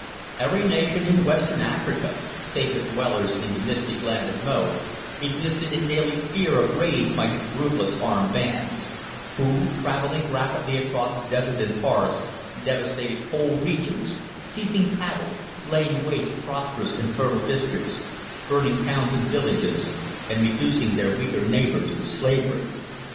Every nation in Western Africa, save the dwellers in the mystic land of Mo, existed in daily fear of raids by his ruthless armed bands, who, travelling rapidly across desert and forest, devastated whole regions, seizing cattle, laying waste prosperous and fertile districts, burning towns and villages, and reducing their weaker neighbours to slavery.